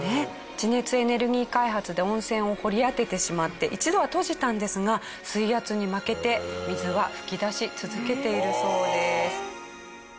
地熱エネルギー開発で温泉を掘り当ててしまって一度は閉じたんですが水圧に負けて水は噴き出し続けているそうです。